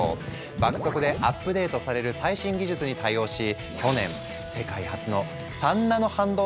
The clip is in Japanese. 爆速でアップデートされる最新技術に対応し去年世界初の３ナノ半導体の量産を実現。